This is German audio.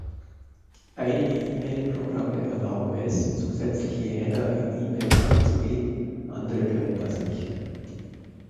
Einige E-Mail-Programme erlauben es, zusätzliche Header in E-Mails anzugeben, andere können das nicht.